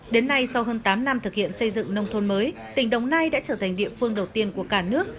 đến nay sau hơn tám năm thực hiện xây dựng nông thôn mới tỉnh đồng nai đã trở thành địa phương đầu tiên của cả nước